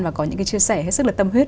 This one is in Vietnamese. và có những cái chia sẻ hết sức là tâm huyết